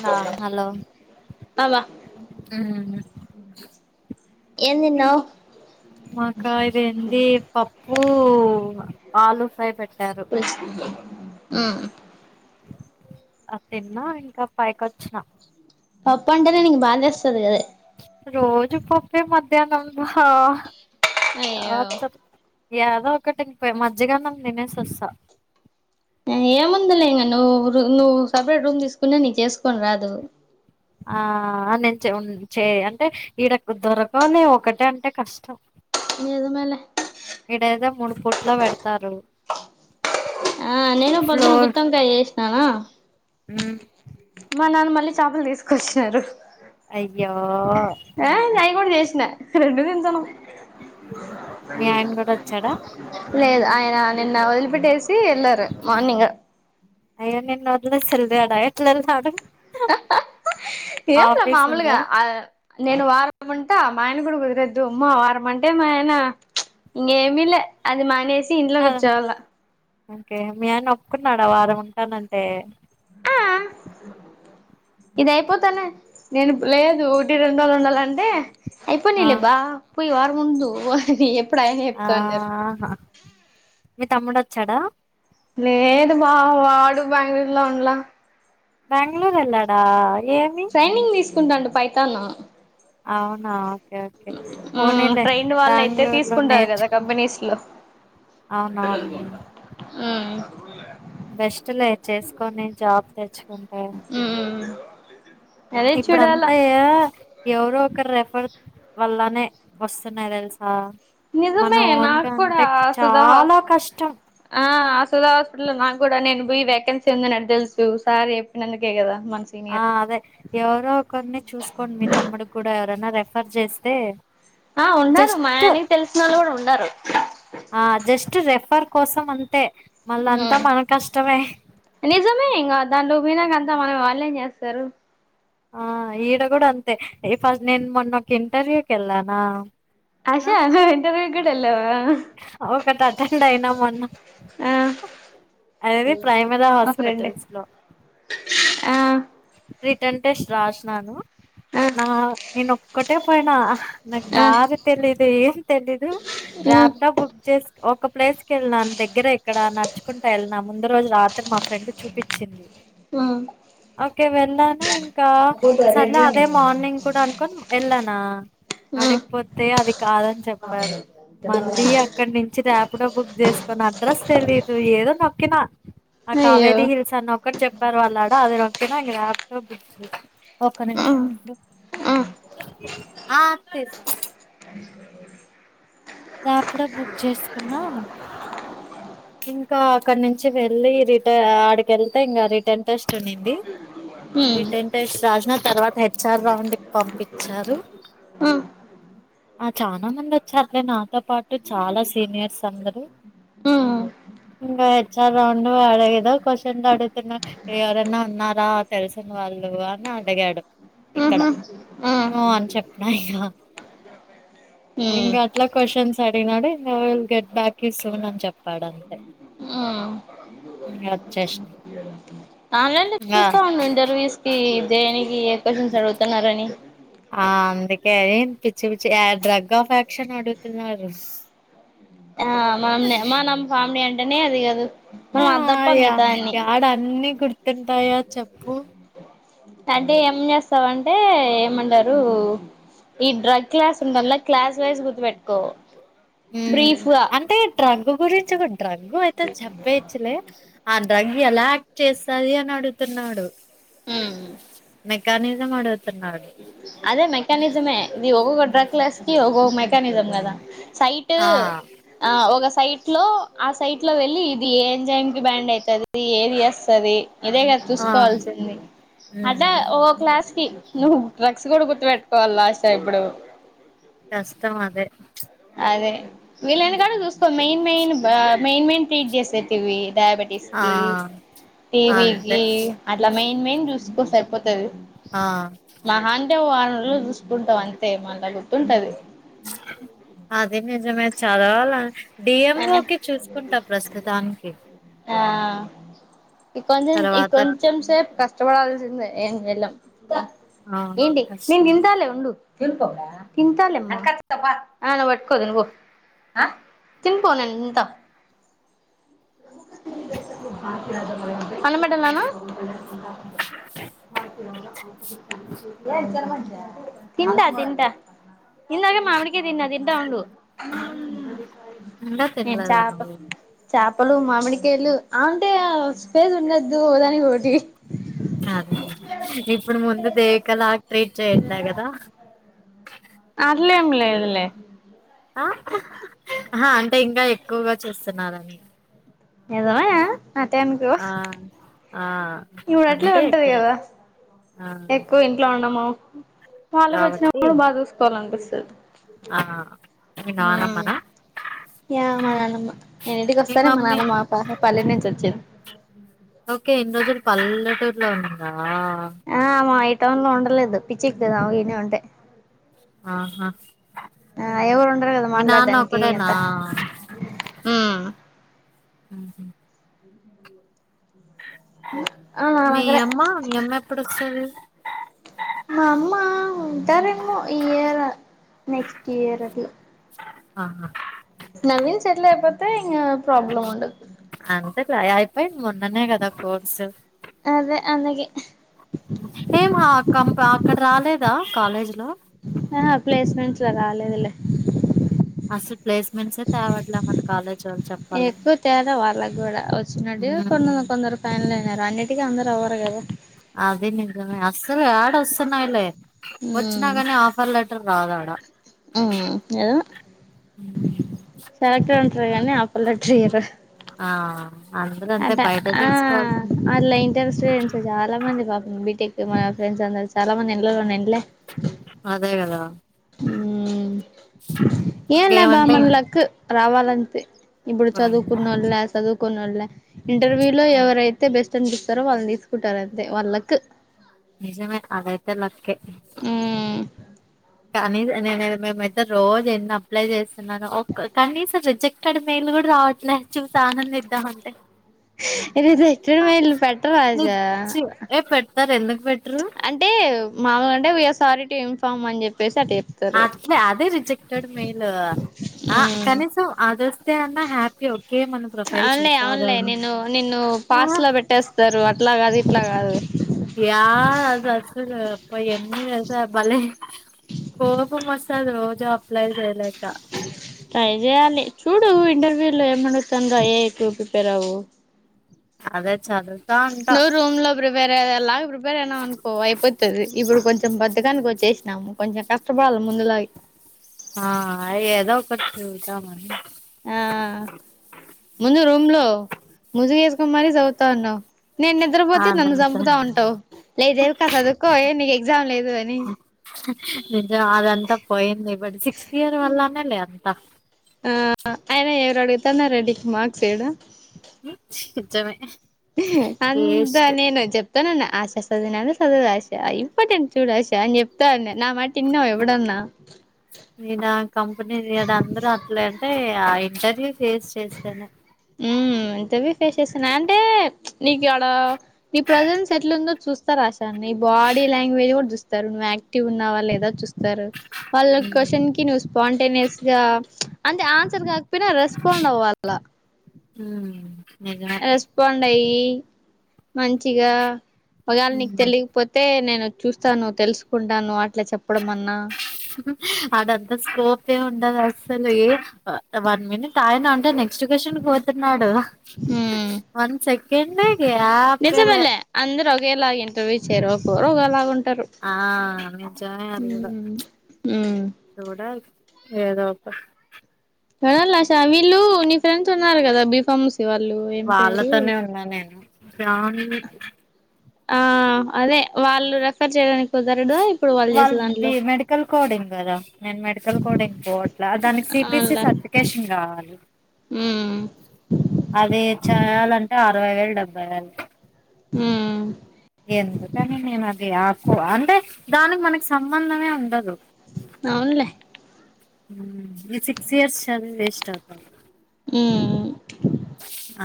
న్నా హలో అబ్బా ఎం దిన్నావ్ మాకా ఇదేంది పప్పు ఆలు ఫ్రై పెట్టారు ఉమ్ అ తిన్నా ఇంకా పైకైచ్చిన పప్పు అంటేనే నీకు బాదేస్తది కదే రోజు పప్పే మధ్యాహ్నం ఆ అయ్యో [unintelligible] యాదో ఒకటికిపోయ్ మజ్జిగన్నం తినేేసి వస్తా ఏముందలే ఇంగ నువ్వు నువ్వు సపరేట్ రూమ్ తీసుకున్నా నీక్ చేసుకోన్ రాదు ఆ నేన్ చెవ్న్ చే అంటే ఈడక్ దొరకవ్ నీ ఒకటే అంటే కష్టం ఎదు మలే ఇడేదో మూడు ఫుట్ల పెడతారు ఆ నేను పొద్దున గుత్తంకాయ చేసిననా ఉమ్ మా నాన్న మళ్ళీ చపల్ తీసుకొచ్చరు అయ్యో అ అయి గుడా చేష్ రెండు తింటానం మీ ఆయన కూడా వచ్చాడా లేదు ఆయన నిన్న వదిలిపెట్టేసి ల్లర్ మార్నింగ్ అయ్యో నిన్ను వదిలేసి ఎల్తాడా ఎట్లేల్తాడు ఏంలే మామూలుగా ఉందా అ నేను వారముంట మా ఆయన కూడా కుదరద్దు ఉమ్మా వారం అంటే మా ఆయన ఇంగేమీ లే అది మానేస్ సి ఇంట్లో కూర్చోవల్ల ఓకే మీ ఆయన ఒప్పుకున్నాడా వారం ఉంటానంటే ఆ ఇది అయిపోతానే నేను లేదు ఒకటి రెండు రోజులు ఉండాలంటే ఆ అయిపోనీలే బా పోయి వారంముద్దువ్ ప్పుడు ఆయన చెప్తా అన్నారు ఆహా మీ తమ్ముడచ్చాడా లేదు బా వాడు బెంగళూరులో ఉండ్ల బ్యాంగలూర్ ఎల్లాడా ట్రైనింగ్ తీసుకుంటాండు పైతాను అవునా ఓకే ఓకే మ్మ్ పోనీలే బ్యాంగళూర్లో నేర్చుకో సులు అవున మ్మ్ బెస్ట్ లే చేసుకోని జాబ్ తెచ్ ఉ ఉ టే ఇప్పుడు అంతా ఎవరో ఒకరు రెఫర్ వల్లనే వస్తున్నాయి తెలుసా మన నిజమే ఓన్గా నాకూడా అంటే సుధా హ చాలా కష్టం ఆ సుధ హాస్పిటల్లో నాగూడా నేను పోయి వేకెన్సీ ఉంది అటు తెలుసు సార్ చెప్పినందుకే కదా మన ఆ సీనియర్ అదే ఎవరో కొన్ని చూసుకోండి మీ తమ్ముడికి కూడా ఎవరైనా రెఫర్ చేస్తే ఆ ఉన్నారు మా జస్ట్ ఆయనకి తెలిసినోళ్ళు కూడా ఉన్నారు ఆ జస్ట్ రెఫ్ ఫర్ కోసం అంతే మళ్ళ అంతా ఉమ్ మన కష్టమే దాంట్లోపోయినాకంతా మనం వాళ్ళేం చేస్తరు ఆ ఈడ కూడా అంతే ఈ ఫస్ట్ నేను మొన్నకి ఇంటర్వ్యూ కెల్లానా ఆశా ఇంటర్వ్యూ కూడ ఎల్లావా ఒకటి అటెండ్ అయినాము అన్న ఆ అది ప్రైమరి మా ఫ్రెండ్ హాస్పిటల్స్ లో ఆ రిటర్న్ టెస్ట్ రాసినాను ఆ నా నేను ఒక్కటే పోయినా నాకు ఆ దారి తెలీదు ఏం తెలీదు రా ఉమ్ [unintelligible] బుక్ చేస్ ఒక ప్లేస్కి వెళ్నా అంతే దగ్గర ఎక్కడ నడుచుకుంటా వెళ్ళనా ముందు రోజు రాత్రి మా ఫ్రెండ్ చూపిచింది ఆ ఓకే వెళ్ళాను ఇంకా సర్లే అదే మార్నింగ్ కూడా అనుకొన్ వెళ్ళానా అడిగిపోతే అది కాదని చెప్పారు ఉమ్ మళ్ళీ అక్కడి నుంచి ర బుక్ చేసుకోని అడ్రస్ తెలీదు ఏదో నొక్కినా ఆ అయ్యో కావేరీ హిల్స్ అన ఒక్క చెప్పారు వాళ్ళడ అది ఒకే ల్యాప్టాప్ చే ఒక్క నిమిషం ఉమ్ ఇడు ఉమ్ ఆ తీష్ రాపిడో బుక్ చేసుకున్నా ఇంకా అక్కడ నుంచి వెళ్ళి రిట ఆడికి వెళ్తే ఇంకా రిటర్న్ టెస్ట్ ఉన్నింది ఉమ్ రిటైన్ టెస్ట్ రాసిన తర్వాత హెచ్ఆర్ రౌండ్కి పంపించారు ఆ చాలా మంది వచ్చారులే నాతో పాటు చాలా సీనియర్స్ అందరూ ఆ ఇంగా హెచ్ఆర్ రౌండ్ అడగదా క్వశ్చన్ అడుతున్నా ఎవరైనా ఉన్నారా తెలిసిన వాళ్ వాన్నే అడగాడు ఇక్కడ ను అని చెప్పిన ఇగ ఇంగ అట్లా క్వషన్స్ అడిగినాడు విల్ గెట్ బ్యాక్ ఇస్తని చెప్ వాడంతే ఇ వచ్చేసి ఆన్లైన్లో చూస్తా ఉండింటారు ఇంటర్వ్యూస్ కి దేనికి ఏ క్వశ్చన్స్ అడుగుతున్నారని ఆ అందుకే ఏ పిచ్చి పిచ్చి డ్రగ్ ఆఫ్ యాక్షన్ అడుగుతున్నారు ఆ మమ్ మానమ్ ఫ్యామిలీ అంటేనే అది కాదు మనం ఆ అది తప్ప అయ్యా మిగతా అన్ని ఎడ అన్ని గుర్తుంటాయా చెప్పు అంటే ఏం చేస్తావంటే ఏమంటారు ఈ డ్రగ్ క్లాస్ ఉండల్లా క్లాస్ వైజ్ గుర్తుపెట్టుకో ఉ బ్రీఫ్ గా అంటే డ్రగ్ గురించి కూడా డ్రగు అయితే చెప్పేచ్చలే ఆ డ్రగ్ ఎలా యాక్ట్ చేస్తది అని అడుగుతున్నాడు ఉహు మెకనిజం ఆడది అదే మెకానిజమే ఇది ఒక్క డ్రగ్ క్లాస్ కి ఒక్క మెకానిజం కదా సైట్ ఆ ఆ ఒక సైట్లో ఆ సైట్లో వెళ్ళి ఇది ఏం జైమ్కి బ్యాండ్ అవుతుంది ఏది చేస్తుంది ఇదే కదా ఆ చూసుకోవాల్సింది అట్ ఉమ్ ఓ క్లాస్ కి నువ్వు డ్రగ్స్ కూడా గుర్తు పెెట్టుకోవాలి లాస్య ఇప్పుడు కష్టం అదే అదే వీళ్లనా కా చూసుకో main main main main treat చేసే టీవి డయాబెటీస్ ఆ కి టీవీ అంతే కి అట్లా మెయిన్ మెయిన్ చూసుకో సరిపోతు ఆ మహాండే వారం రోజులు చూసుకుంటాం అంతే మళ గుర్తుంటది అది నిజమే చదవాల డిఎంఓ అని కీ చూసుకుంటా ప్రస్తుతానికి ఆ ఇ కొంచం ఈ తర్వాత కొంచం సేపు కష్టపడాల్సిందే ఏం చేయలేం ఆ ఏంటి నేన్ కష్టం తింటాలే ఉండు తింటాలే మా ఆ నువ్వు పట్టుకో తిన్ పో తిన్ పో నేన్ తింటా అన్నం మెటనాన్న ఏది తినమంటే తింటా తింటా ఇందాకే మామిడికి కాయ తిన్న తింటా ఉండు ఇంకా నను తినలేదా చప నువ్వు చప ప్పలు మామిడికేళ్ళలు అ ఉంటే స్పేస్ ఉండద్దు ఓదానికి ఒకటి సదేడి ఇప్పుడు ముందు దేవిక లా ట్రీట్ చెయట్లే కదా అట్లా ఏం లేదులే ఆ అంటే ఇంకా ఎక్కువగా చేస్తున్నారని ఏదోయ్ ఆటే అనుకో ఆ ఆ ఇప్పుడు అట్లే అంతే ఉంటది ఇక్కడ కదా ఆ ఎక్కువ ఇంట్లో ఉన్నాము వాళ్ళకి కాబట్టి వచ్చినప్పుడు బాగా చూసుకోవాలనిపిస్తుంది ఆ మీరు నాన్నమ్మ ఉమ్ నా యా మా నాన్నమ్మ నేను ఇంటికి మీ వస్తానే మా మమ్మీ నాన్నమ్మ పా పల్లె నుంచి వచ్చింది ఓకే ఇన్ని రోజులు పల్లెటూరులో ఉందా టౌన్లో ఉండలేదు పిచ్చిఎక్కితది ఆమెకి ఈడనే ఉంటే ఆహా ఆ ఎవరు ఉండరు కదా మీ నాన్న మాట్లాడడానికి అంత ఒక్కడేనా హ అ ఆ నా మీ దగ్గరే అమ్మ మీ అమ్మ ఎప్పుడుస్తది మా అమ్మ ఉంటారేన్నో ఇయర్ నెక్స్ట్ ఇయర్ అట్లా ఆహా నవీన్ సెట్లయపోతే ఇగా ప్రాబ్లం ఉన్నడదు అ కలా అయిపోయి మొన్ననే కదా కోర్స్ అదే అందుకే ఏం కం అక్కడ రాలేదా కాలేజీ లో ఆ ప్లేస్మెంట్స్ లో రావాలదులే అసలు ప్లేస్మెంట్స్ తేవాటావట్లే మన కాలేజ్ వాళ్ళు చెప్పాలని అడి కొడుకు కొందరూ కొందరు ఫ్యాన్లే అదే నిజమే అసలు రాడు స్తున్నాయిలే వచ్చినా కాని ఆఫర్ లెటర్ రాదాడా మ్ ఏదో ఉమ్, సెలక్ట్ ఉంటారు కానీ ఆపర్ లేటరు ఇయరు ఆ అందరూ అంతే అటే బయట ఆ చూసుకోవాల్సింది అలా ఇంటర్స్టెంస్ చాలా మంది పాపం బిటెక్ ఇ మా ఫ్రెండ్స్ అందరు చాలా మంది ఎళ్ళలో ఉన్నాయింలే అదే గద ఉమ్ ఏం లే బ్బా ఏమంటే మన లక్ రావాలంతే ఇప్పుడు చదువుకున్నళ్లు లే, చదువుకొని లే వాళ్ళ ఇంటర్వ్యూ లో ఎవరైతే బెస్ట స్ట్న్పిస్తారో వాళ్ళని తీసుకుంటారు అంతే వాళ్ళ లక్ నిజమే అదైతే లక్కె ఉమ్ కానీస నేను మేమైతే రోజు ఎన్ని అప్లై చేస్తున్నాను కానీస రిజెక్ట్ టడ్ మేయిలు కూడా రావట్లే చూసి ఆనంది ఇద్దాం అంటే ఇది తెచ్చుడు అ వీళ్ళు పెట్టరాజా నిచ్చి ఏ పె అంటే మామూలుగా అంటే vice are sorry to inform అని చె అట్లే అదే రిజెక్టెడ్ మేల్ ఆ కనీస అదో అవున్లే చూసారు అవునలే అని నేను నిన్ను ఆ పాస్ లో పెట్టేస్తారు అట్లాగా అది అట్లా కాదు యా అది అస్తు అప్ప ఎన్ని వసా బలే కోపం వస్తాది రోజు అప్లై చేయలేక ట్రై చేయాలి చూడు ఇంటర్వ్యూ లో ఏమడుగుతుందో ఏటు ప్రిపేర్ అవ్వు అదే చదువుతా ఉంటా దే అలాగ ప్రిపేర్ అయినా అనుకో అయిపోతది ఇప్పుడు కొంచెం బద్దగానికి వచ్చే నాము కొంచెం కష్టపడాల ముందులా ఆ అయి ఎదో ఒకటి తింటాం ఆ ముందు రూమ్ లో ముజిర్ మరీ చదువుతా ఉన్నావు నేను నిద్రపోతే నన్ను అదంతా చంపుతా ఉంటావు లేదే కా చదువుకో నీ ఎగ్జామ్ లేదు అని స ఏది జ అదంతా పోయింది బట్ సిక్స్త్ ఇయర్ వల్లనే లేత్తా నడుగుతున్నా రెడ్డి మార్క్స ఏడ చెమే అంతా నేను చెప్తానన్న ఆశ సదున చదువు ఆశ ఇంపార్టెంట్ చూడు ఆశా అని చెప్తా ఉన్న ఈ నా కంపెనీడ అందరు అట్ల అంటే ఏ ఆయి స్టడీ ఫేస్ చేస్తేనే చవి ఫేస్ చేసన్నాయి అంటే నీకు ఇడ నీ ప్రజెన్స్ ఎట్లుందో చూస్తా రాస తన్ నీ బాడీ లాంగ్వేజ్ కూడా చూస్తారువ్ యాక్టివ్ ఉన్నావా లేదా చూ తారు వాళ్ళ ఉమ్ క్వశ్చన్ కి నువ్ స్పాంటేనియస్ గా అంటే ఆన్సర్ కాకపోయినా తుండవ్ వాల్ల ఉ రెస్పాండ్ అయ్యి మంచిగా ఒకవేళ నీకు ఉమ్ తెలియపోతే నేను చూస్తాను తెలుసుకుంటాను అ అదంత స్కోపే ఉండద అసలు ఏ వన్ మినిట్ ఆయన అంటే నెక్స్ట్కషన్ పోతున్నాడు. ఉమ్ వన్ సెకెడ్గ గ్యాప్ లే ఎలా ఇంటర్వ్యూ చేరు పోలా ఉంట ఆ నిజమే అది కూడా ఉమ్ ఉమ్ చూడలి ఏదోక్క చడ ష వీలు నీ ఫ్రెండ్స్ ఉన్నారు కదా బీఫామ్స్ వాళ్ళతోనే ఉన్నా నేను ఆ అదే వాళ్ళు రెఫర్ చేయడానికి కుదరదా ఇప్పుడు వాళ్ళు చేసే దాంట్లో ఇంకో అట్లా దానికి సిపిసి అవునులే సర్టిఫికేషన్ కావాలి ఉమ్ అది చేయాలంటే అరవై వేలు డెబ్బై వేలు ఆ ఎందుకని నేను అది ఆకువ అంటే దానికి మనకి సంబంధమే ఉండదు అవునులే ఈ సిక్స్ ఇయర్స్ చది వేస్ట్ అవుతా ఉమ్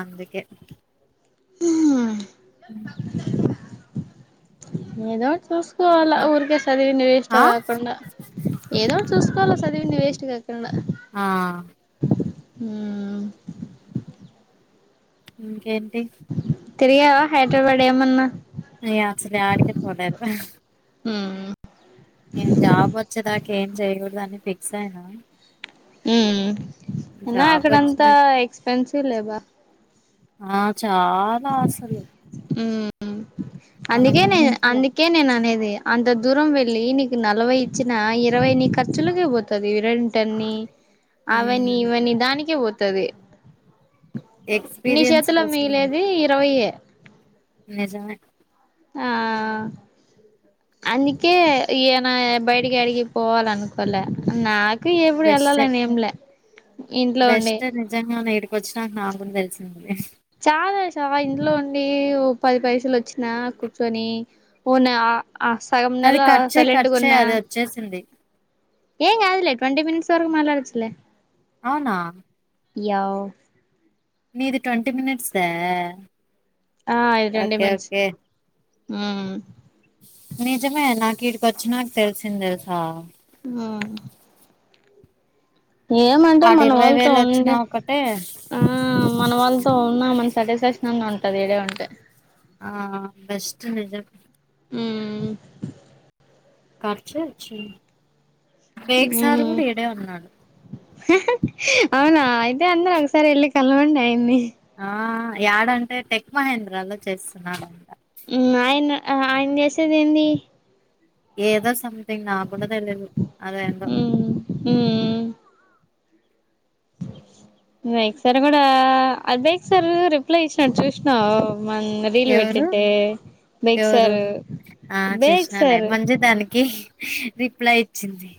అందుకే ఏదసు చసుకోవాల ఊరికే చదివిని వేస్ట్ ఆ కాకుండా ఏదో ఒకటి చూసుకోవాల చదివిన వేస్ట్ కా ఆ ఆ ఇంకేంటి తిరిగావా హైదరాబాద్ ఏమన్నా అయాచ్చలే ఆడికి పోలేదు హ నేం జాబ్ వచ్చేదాకా ఏం చెయూడదుని ఫిక్స్ అయినా అనా జాబ్ అక్కడంతా వచ్చినాక ఎక్స్పెన్సివ్ లేవా ఆ చాలా అస్సలు ఉమ్ అందుకే నేను అందుకే నేను అనేది అంత దూరం వెళ్ళి నీకు నలభై ఇచ్చిన ఇరవై నీ ఖర్చులక పోతంది రెంటని అవని ఉమ్, ఇవని దానికే పోతుది నీ ఎక్స్పీరియన్స్ చేతులో మిగిలేది ఇరవైే నిజామే ఆ అందుకే ఈయన బయటికి అడిగి పోవాల అనుకోలే నాకు ఎప్పుడు అళ్లాల బెస్టే నేమ్లే బెస్ట్ నిజంగా నేడికొచ్చ నాకు నాకు తెలిసి చాలా చవా ఇంట్లో ఉండి ఓ పది పైసలు వచ్చినా కూర్చుని ఉన్ సగం అది నెల కట్ చేయి కట్ సైలెంట్కు చేయి ఉన్న అది వచ్చేసింది ఏం కాదులే ట్వంటీ మట్ కూ మాట్లాడొచ్చులే అవునా ఎహ్ ఇది ట్వంటీ మినట్స్ ద ఆ ఇది ట్వంటీ మనిస్ ఉ ఈడికి వచ్చి నాకు తెలిసింది తెలుసా ఆ ఏమంటే వాడు మన ఇరవై వాళ్ళతో వేలు వచ్చినా ఉంటే ఒకటే ఆ మన వాళ్ళతో ఉన్నా మన సాటిస్ఫాక్షన్ అ ఉంటు ఉంటది ఇడే ఉంటే ఆ బెస్ట్ నిజం ఉమ్మ్ ఖర్చు వచ్చి రేక్సార్ ఉమ్ కూడా ఈడే ఉన్నాడు అవునా అయితే అందరు ఒకసారి వెళ్ళి కలవండి అయని ఆ ఏడంటే టెక్ మహేంద్రాలో చేస్తున్నాడంట ఆయన ఆయన చేసేది ఏందీ ఏదో సంతింగ్ నాకూ తెలీదు అదేందో ఉమ్ ఎక్సారి కూడా అదేక్సార్ రిప్లై ఇచ్చినాడు చూసినా రీల్ ఎవరు పెట్ట్తే ఎవరు ఆ చూసినాలే సార్ మంజు దానికి రిప్లై ఇచ్చింది